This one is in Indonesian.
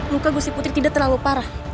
luka gusi putri tidak terlalu parah